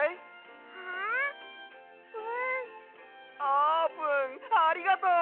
あーぷんありがとう！